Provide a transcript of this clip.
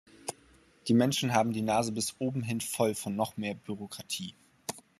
Die Menschen haben die Nase bis obenhin voll von noch mehr Bürokratie.